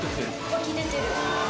湧き出てる。